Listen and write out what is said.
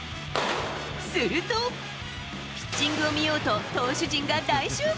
すると、ピッチングを見ようと投手陣が大集合。